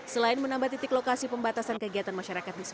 selain menambah titik lokasi pembatasan kegiatan masyarakat di sepuluh titik